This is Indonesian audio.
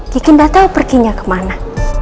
kiki gak tau perginya kemana